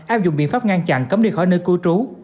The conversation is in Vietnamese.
áp dụng biện pháp ngăn chặn cấm đi khỏi nơi cư trú